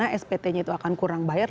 tahu dari mana spt nya itu akan kurang bayar